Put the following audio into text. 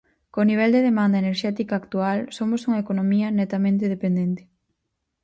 Co nivel de demanda enerxética actual somos unha economía netamente dependente.